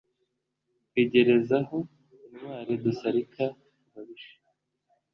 rwigerezaho intwali dusalika ababisha,